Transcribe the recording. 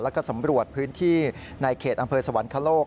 แล้วก็สำรวจพื้นที่ในเขตอำเภอสวรรคโลก